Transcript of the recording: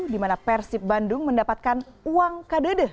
di mana persib bandung mendapatkan uang kdd